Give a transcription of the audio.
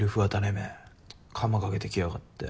ちっ鎌かけてきやがって。